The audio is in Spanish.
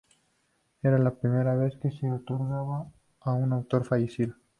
Era la primera vez que se otorgaba a un autor fallecido.